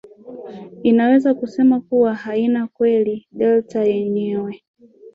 Inaweza kusema kuwa haina kweli delta yenyewe